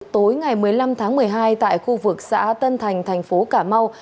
tối ngày một mươi năm tháng một mươi hai tại khu vực xã tân thành thành phố cà mau